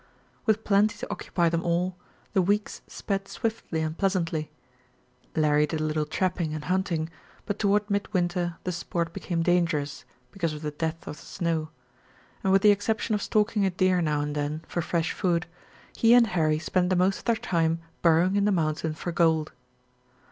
With plenty to occupy them all, the weeks sped swiftly and pleasantly. Larry did a little trapping and hunting, but toward midwinter the sport became dangerous, because of the depth of the snow, and with the exception of stalking a deer now and then, for fresh food, he and Harry spent the most of their time burrowing in the mountain for gold.